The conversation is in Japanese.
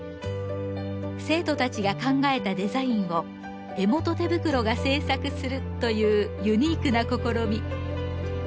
生徒たちが考えたデザインを江本手袋が制作するというユニークな試み。